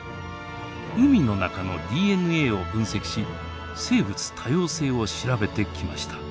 海の中のＤＮＡを分析し生物多様性を調べてきました。